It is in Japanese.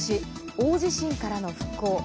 大地震からの復興